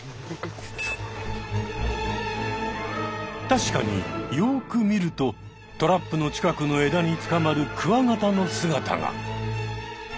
確かによく見るとトラップの近くの枝につかまるクワガタの姿が！